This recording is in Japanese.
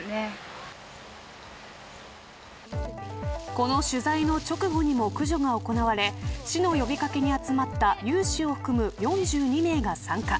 この取材の直後にも駆除が行われ市の呼び掛けに集まった有志を含む４２名が参加。